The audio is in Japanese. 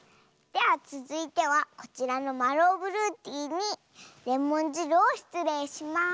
ではつづいてはこちらのマローブルーティーにレモンじるをしつれいします。